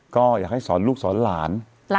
ก็อยากให้สอนลูกสอนหลาน